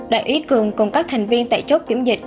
đại úy cường cùng các thành viên tại chốt kiểm dịch